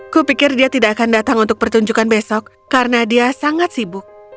kupikir dia tidak akan datang untuk pertunjukan besok karena dia sangat sibuk